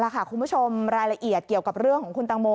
คุณผู้ชมรายละเอียดเกี่ยวกับเรื่องของคุณตังโม